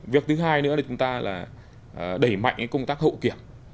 việc thứ hai nữa là chúng ta là đẩy mạnh công tác hậu kiểm